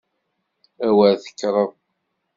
A wer tekkreḍ!